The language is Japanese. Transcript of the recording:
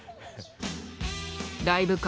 ライブ感